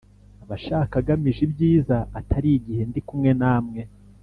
abashaka agamije ibyiza atari igihe ndi kumwe namwe